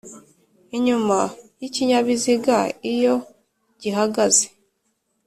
Inyuma y ikinyabiziga iyo gihagaze